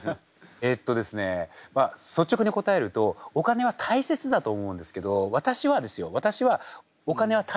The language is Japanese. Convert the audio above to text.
えっとですねまあ率直に答えるとお金は大切だと思うんですけど私はですよ